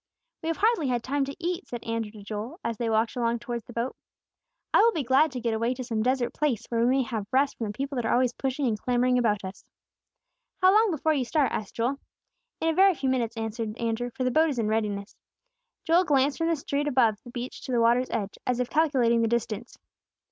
"We have hardly had time to eat," said Andrew to Joel, as they walked along towards the boat "I will be glad to get away to some desert place, where we may have rest from the people that are always pushing and clamoring about us." "How long before you start?" asked Joel. "In a very few minutes," answered Andrew; "for the boat is in readiness." Joel glanced from the street above the beach to the water's edge, as if calculating the distance.